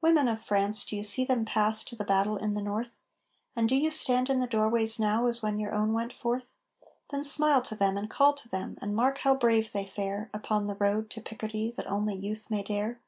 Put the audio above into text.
Women of France, do you see them pass to the battle in the North? And do you stand in the doorways now as when your own went forth? Then smile to them and call to them, and mark how brave they fare Upon the road to Picardy that only youth may dare!